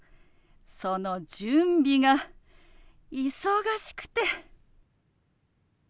その準備が忙しくて。